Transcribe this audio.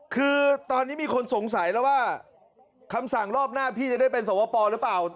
คือตอนนี้มีคนสงสัยแล้วว่าคำสั่งรอบหน้าพี่จะได้เป็นสวปหรือเปล่า